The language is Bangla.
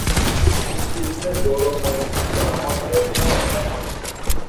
বাংলাদেশের মুক্তিযুদ্ধের গৌরবময় ইতিহাসে ব্রাহ্মণবাড়িয়া জেলার অবদান অনেক।